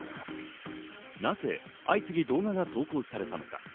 なぜ相次ぎ動画が投稿されたのか。